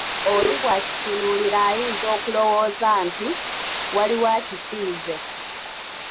Oli bw'akitunuulira ayinza okulowooza nti, waliwo akisiize.